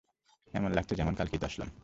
এমন লাগছে যেমন কালকেই তো আসলাম।